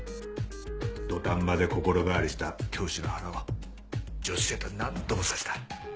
土壇場で心変わりした教師の腹を女子生徒は何度も刺した。